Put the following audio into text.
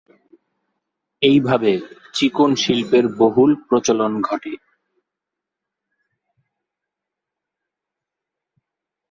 এইভাবে চিকন শিল্পের বহুল প্রচলন ঘটে।